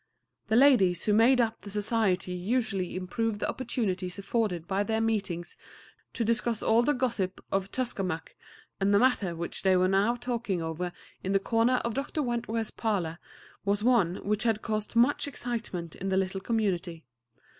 The ladies who made up the society usually improved the opportunities afforded by their meetings to discuss all the gossip of Tuskamuck, and the matter which they were now talking over in the corner of Dr. Wentworth's parlor was one which had caused much excitement in the little community.